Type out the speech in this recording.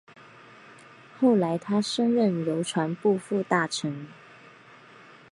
后来他升任邮传部副大臣。